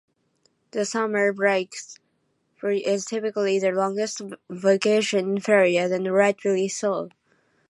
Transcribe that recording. The summer break is typically the longest vacation period, and rightly so.